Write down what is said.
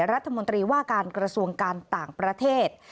รัฐมนตรีว่าการกระทรวงการต่างประเทศ